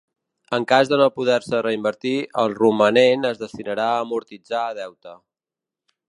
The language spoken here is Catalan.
En cas de no poder-se reinvertir, el romanent es destinarà a amortitzar deute.